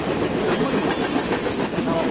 それが今でも続いているんですよ。